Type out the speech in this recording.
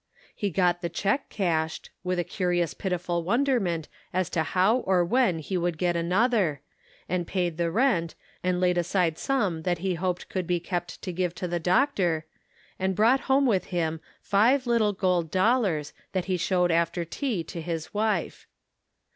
He got the check cashed, with a curious pitiful wonderment as to how or when he would get another, and paid the rent, and laid aside some that he hoped could be kept to give to the doctor, and brought home with him five little gold dollars that he showed after tea, to his wife.